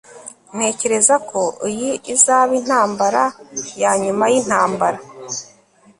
ntekereza ko iyi izaba intambara yanyuma yintambara